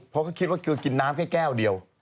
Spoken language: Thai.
เพราะก็คิดว่าคือกินน้ำแค่แก้วเดียว